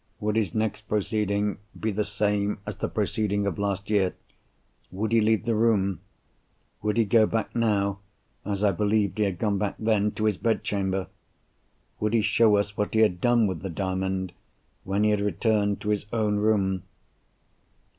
Would his next proceeding be the same as the proceeding of last year? Would he leave the room? Would he go back now, as I believed he had gone back then, to his bedchamber? Would he show us what he had done with the Diamond, when he had returned to his own room?